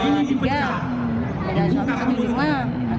tapi teringatnya satu masih tanah air